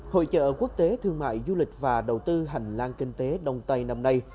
hội trợ quốc tế thương mại du lịch và đầu tư hành lang kinh tế đông tây năm nay